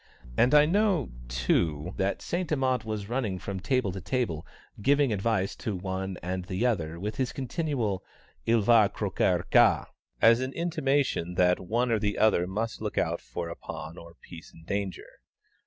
And I know, too, that St. Amant was running from table to table, giving advice to one and the other with his continual "Il va croquer ça," as an intimation that one or the other must look out for a pawn or piece in danger.